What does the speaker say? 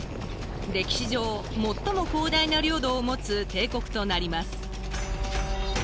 歴史上もっとも広大な領土を持つ帝国となります。